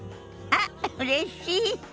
あっうれしい。